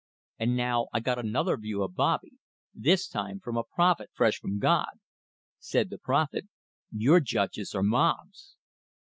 And now I got another view of "Bobbie," this time from a prophet fresh from God. Said the prophet: "Your judges are mobs!"